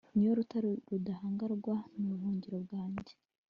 ni yo rutare rudahangarwa n'ubuhungiro bwanjye